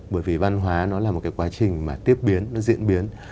bởi vì văn hóa nó là một cái quá trình mà tiếp biến nó diễn biến